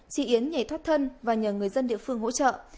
chị yến nhảy thoát thân và nhờ người dân địa phương hỗ trợ